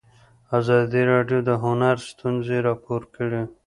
ازادي راډیو د هنر ستونزې راپور کړي.